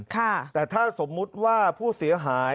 แต่ถ้าสมมุติว่าผู้เสียหาย